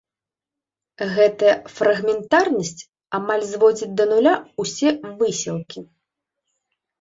Гэтая фрагментарнасць амаль зводзіць да нуля ўсе высілкі.